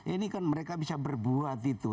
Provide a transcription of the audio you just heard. ini kan mereka bisa berbuat itu